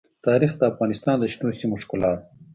تاریخ د افغانستان د شنو سیمو ښکلا ده.